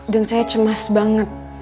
dan saya cemas banget